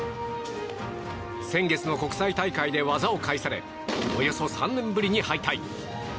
先月の国際大会で技を返されおよそ３年ぶりに敗退。